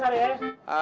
kom ada yang nyesel ya